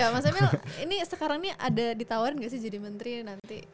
mas emil ini sekarang nih ada ditawarin gak sih jadi menteri nanti